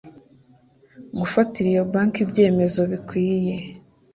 gufatira iyo banki ibyemezo bikwiye